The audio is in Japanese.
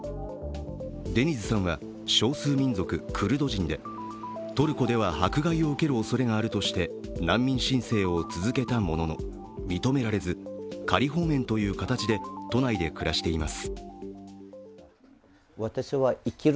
デニズさんは少数民族クルド人で、トルコでは迫害を受けるおそれがあるとして難民申請を続けたものの認められず、仮放免という形で都内で暮らしています。